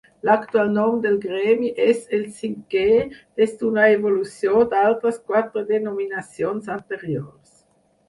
L’actual nom del gremi és el cinquè des d’una evolució d’altres quatre denominacions anteriors.